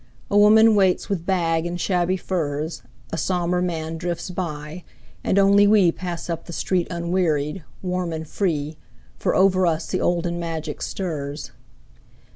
A woman waits with bag and shabby furs, A somber man drifts by, and only we Pass up the street unwearied, warm and free, For over us the olden magic stirs.